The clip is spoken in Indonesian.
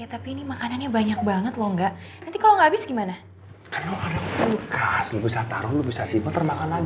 ya tapi ini makanannya banyak banget lo enggak nanti kalau nggak abis gimana